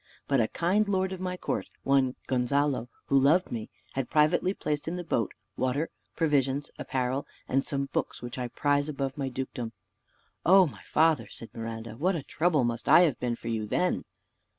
But a kind lord of my court, one Gonzalo, who loved me, had privately placed in the boat, water, provisions, apparel, and some books which I prize above my dukedom." "O my father," said Miranda, "what a trouble must I have been to you then!"